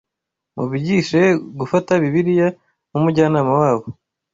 mubigishe gufata Bibiliya nk’umujyanama wabo.